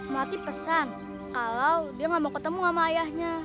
melati pesan kalau dia enggak mau ketemu sama ayahnya